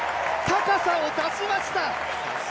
高さを出しました！